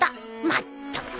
まったく！